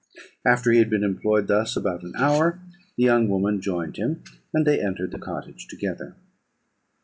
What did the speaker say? After he had been employed thus about an hour, the young woman joined him, and they entered the cottage together.